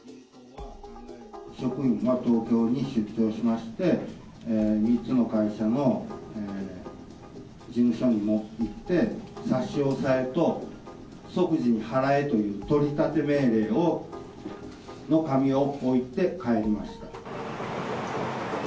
職員が東京に出張しまして、３つの会社の事務所にも行って、差し押さえと、即時に払えという取り立て命令の紙を置いて帰りました。